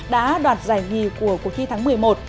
đã đoạt giải nhì của cuộc thi tháng một mươi một